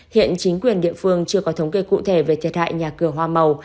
hiện chính quyền địa phương chưa có thống kê cụ thể về thiệt hại nhà cửa hoa màu